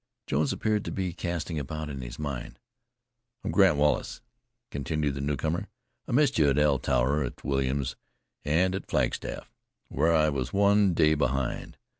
Jones appeared to be casting about in his mind. "I'm Grant Wallace," continued the newcomer. "I missed you at the El Tovar, at Williams and at Flagstaff, where I was one day behind.